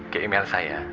ke email saya